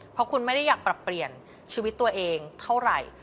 เพราะคุณไม่ได้อยากปรับเปลี่ยนชีวิตตัวเองเท่าไหร่